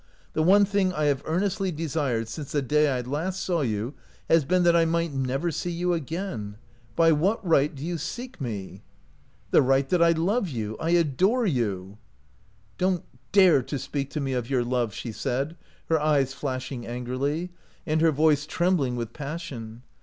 "The one thing I have earnestly desired since the day I last saw you has been that I might never see you again. By what right do you seek me ?"" The right that I love you, I adore you." " Don't dare to speak to me of your love !" she said, her eyes flashing angrily, and her voice trembling with passion.